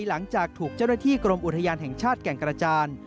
หลังจากถูกเจ้าหน้าที่กรมอุทยานแห่งชาติแก่งกระจาน